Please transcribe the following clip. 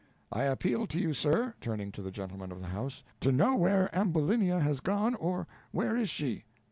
I appeal to you, sir," turning to the gentleman of the house, "to know where Ambulinia has gone, or where is she?"